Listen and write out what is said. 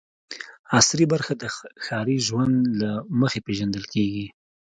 عصري برخه د ښاري ژوند له مخې پېژندل کېږي.